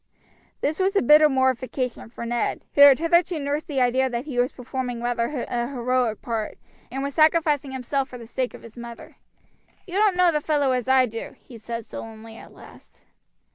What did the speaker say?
This was a bitter mortification for Ned, who had hitherto nursed the idea that he was performing rather a heroic part, and was sacrificing himself for the sake of his mother. "You don't know the fellow as I do," he said sullenly at last.